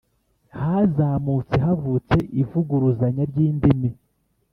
Haramutse havutse ivuguruzanya ry indimi